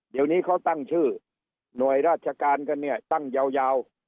เดี๋ยวนี้เขาตั้งชื่อหน่วยราชการกันเนี่ยตั้งยาว